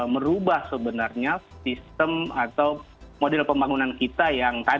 merubah sebenarnya sistem atau model pembangunan kita yang tadi